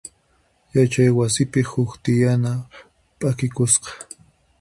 Yachay wasipi huk tiyana p'akikusqa.